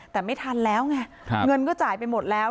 แต่ไม่ทันแล้วไงเงินก็จ่ายไปหมดแล้ว